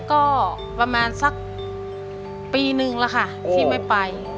ก็ประมาณสักปีนึงแล้วค่ะที่ไม่ไป